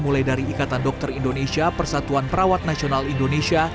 mulai dari ikatan dokter indonesia persatuan perawat nasional indonesia